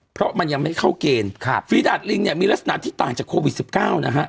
เพราะมันยังไม่เข้าเกณฑ์ฝีดาตริงเนี่ยมีลักษณะที่ต่างจากโควิด๑๙นะฮะ